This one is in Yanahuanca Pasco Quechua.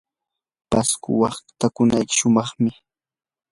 pasco waytakuna shumaqmi.